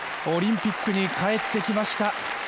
オリンピックに帰ってきました。